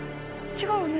違うよね？